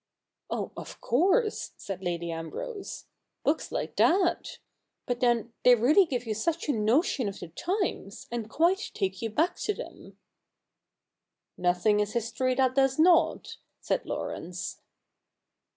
' Oh, of course,' said Lady Ambrose, ' books like that ! I 2 132 THE NEW REPUBLIC [bk. hi But, then, they really give you such a notion of the times, and quite take you back to them.' ' Nothing is history that does not,' said Laurence.